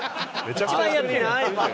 一番やってるよ。